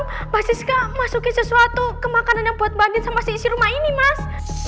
mbak siska masukin sesuatu ke makanan yang buat bandit sama si isi rumah ini mas